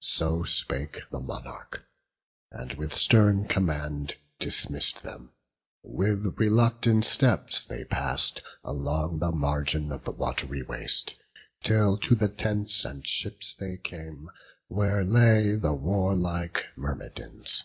So spake the monarch, and with stern command Dismiss'd them; with reluctant steps they pass'd Along the margin of the wat'ry waste, Till to the tents and ships they came, where lay The warlike Myrmidons.